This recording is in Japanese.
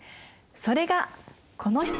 それがこの人！